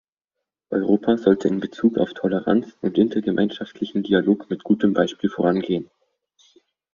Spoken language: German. Europa sollte in Bezug auf Toleranz und intergemeinschaftlichem Dialog mit gutem Beispiel vorangehen.